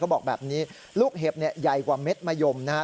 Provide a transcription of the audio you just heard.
บอกแบบนี้ลูกเห็บเนี่ยใหญ่กว่าเม็ดมะยมนะฮะ